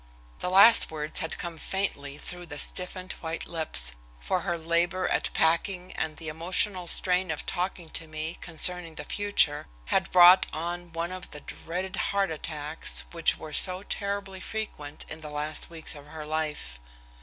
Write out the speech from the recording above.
The last words had come faintly through stiffened white lips, for her labor at packing and the emotional strain of talking to me concerning the future had brought on one of the dreaded heart attacks which were so terribly frequent in the last weeks of her life.